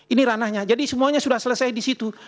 ini ranahnya jadi semuanya sudah selesai di situ